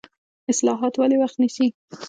اصلاحات ولې وخت نیسي؟